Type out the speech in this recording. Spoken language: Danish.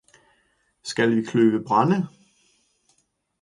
Skal vi kløve brænde?